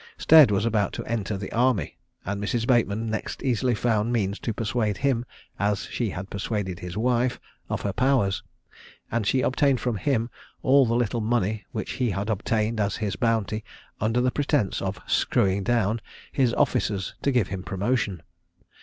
Stead was about to enter the army; and Mrs. Bateman next easily found means to persuade him, as she had persuaded his wife, of her powers, and she obtained from him all the little money, which he had obtained as his bounty, under the pretence of "screwing down" his officers to give him promotion.